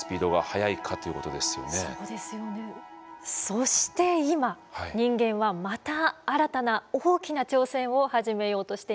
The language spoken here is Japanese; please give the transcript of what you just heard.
そして今人間はまた新たな大きな挑戦を始めようとしています。